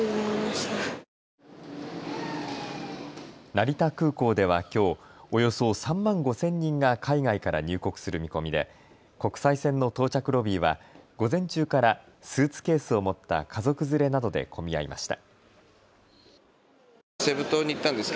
成田空港ではきょうおよそ３万５０００人が海外から入国する見込みで国際線の到着ロビーは午前中からスーツケースを持った家族連れなどで混み合いました。